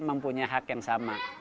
mempunyai hak yang sama